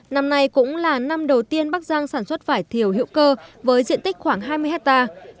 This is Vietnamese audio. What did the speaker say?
năm nay cũng là năm đầu tiên bắc giang sản xuất vải thiều hữu cơ với diện tích khoảng hai mươi hectare